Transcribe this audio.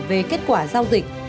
về kết quả giao dịch